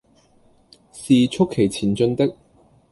是促其前進的，